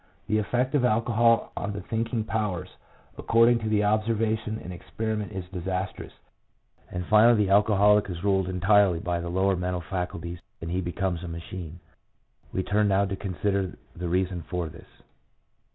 The effect of alcohol on the thinking powers, according to observa tion and experiment, is disastrous, and finally the alcoholic is ruled entirely by the lower mental faculties and he becomes a machine. We turn now to consider the reason for this.